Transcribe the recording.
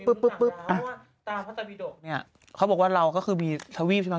เพราะว่าตาพัทธวิดกเขาบอกว่าเราก็คือมีทวีฟใช่ไหม